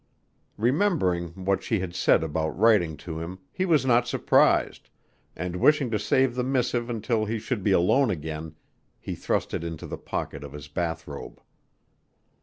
Remembering what she had said about writing to him he was not surprised, and wishing to save the missive until he should be alone again, he thrust it into the pocket of his bath robe.